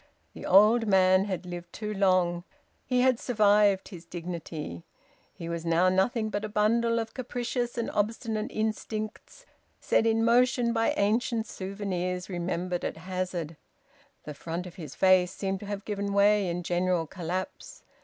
The old man had lived too long; he had survived his dignity; he was now nothing but a bundle of capricious and obstinate instincts set in motion by ancient souvenirs remembered at hazard. The front of his face seemed to have given way in general collapse.